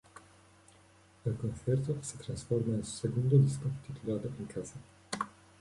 El concierto se transforma en su segundo disco, titulado "En casa".